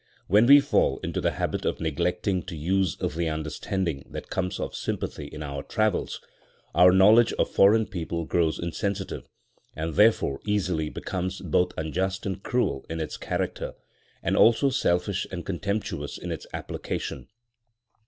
When we fall into the habit of neglecting to use the understanding that comes of sympathy in our travels, our knowledge of foreign people grows insensitive, and therefore easily becomes both unjust and cruel in its character, and also selfish and contemptuous in its application.